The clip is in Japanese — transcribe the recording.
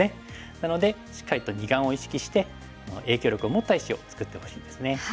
なのでしっかりと二眼を意識して影響力を持った石を作ってほしいですね。